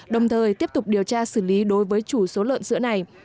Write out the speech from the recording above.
đồng thời tiếp tục điều tra xử lý đối với chủ số lợn sữa này